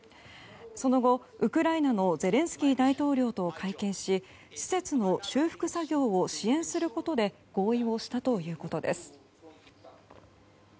その後、ウクライナのゼレンスキー大統領と会見し施設の修復作業を支援することで合意をしたということです。